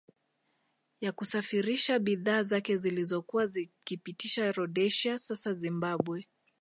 Ya kusafirisha bidhaa zake zilizokuwa zikipitia Rhodesia sasa Zimbabwe